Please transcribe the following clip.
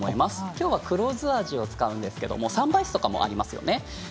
きょうは黒酢味を使うんですけど三杯酢とかもありますよね。